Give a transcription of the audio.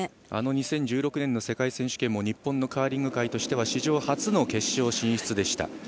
あの２０１６年の世界選手権も日本のカーリング界としては史上初の決勝進出でした。